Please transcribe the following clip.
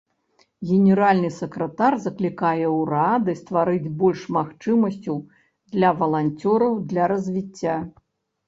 Генеральны сакратар заклікае ўрады стварыць больш магчымасцяў для валанцёраў для развіцця.